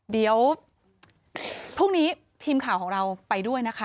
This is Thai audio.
เดี๋ยวพรุ่งนี้ทีมข่าวของเราไปด้วยนะคะ